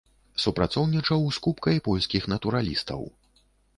Супрацоўнічаў з купкай польскіх натуралістаў.